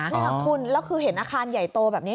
นี่คุณแล้วคือเห็นอาคารใหญ่โตแบบนี้